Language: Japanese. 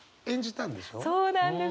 そうなんです。